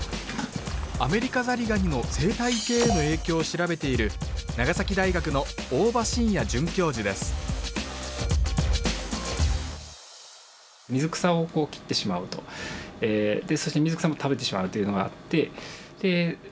アメリカザリガニの生態系への影響を調べている長崎大学の大庭伸也准教授ですというのが一つの要因です。